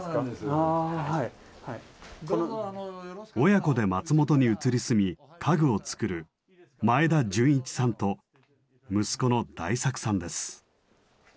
親子で松本に移り住み家具を作る前田純一さんと息子の大作さんです。